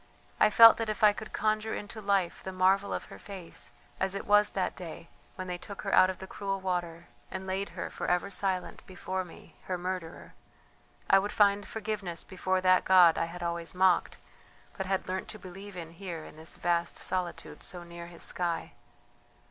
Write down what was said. I felt that if I could conjure into life the marvel of her face as it was that day when they took her out of the cruel water and laid her, for ever silent, before me, her murderer, I would find forgiveness before that God I had always mocked but had learnt to believe in here in this vast solitude so near His sky!